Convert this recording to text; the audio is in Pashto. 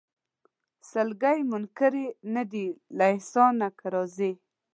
سلګۍ منکري نه دي له احسانه که راځې